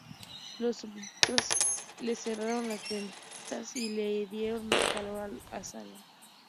Los súbditos le cerraron las ventas y le dieron más calor a la sala.